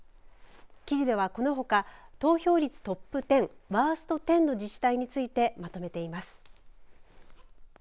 記事ではこのほか投票率トップ１０ワースト１０の自治体についてまとめています。